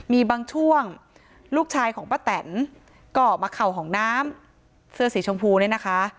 มีบางช่วงลูกชายของป้าแตนก็มาเข่าห้องน้ำเสื้อสีชมพูเนี่ยนะคะ